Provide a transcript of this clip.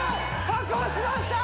確保しました！